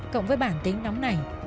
cộng với bản tính nóng nảy